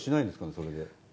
それで。